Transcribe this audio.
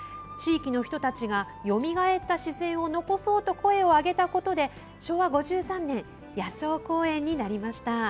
地域の人たちがよみがえった自然を残そうと声を上げたことで、昭和５３年野鳥公園になりました。